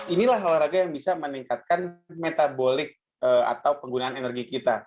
inilah olahraga yang bisa meningkatkan metabolik atau penggunaan energi kita